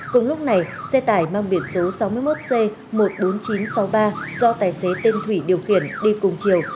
cùng lúc này xe tải mang biển số sáu mươi một c một mươi bốn nghìn chín trăm sáu mươi ba do tài xế tên thủy điều khiển đi cùng chiều